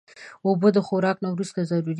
اوبه د خوراک نه وروسته ضرور دي.